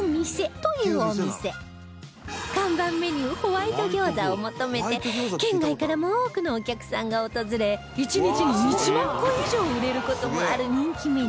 看板メニューホワイト餃子を求めて県外からも多くのお客さんが訪れ一日に１万個以上売れる事もある人気メニュー